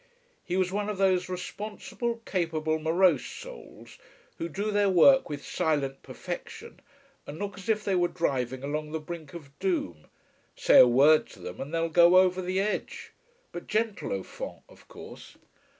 He was one of those responsible, capable, morose souls, who do their work with silent perfection and look as if they were driving along the brink of doom, say a word to them and they'll go over the edge. But gentle au fond, of course.